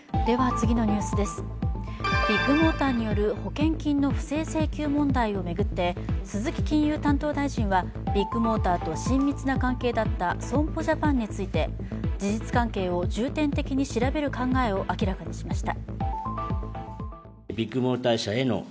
ビッグモーターによる保険金の不正請求問題を巡って鈴木金融担当大臣はビッグモーターと親密な関係だった損保ジャパンについて、事実関係を重点的に調べる考えを明らかにしました。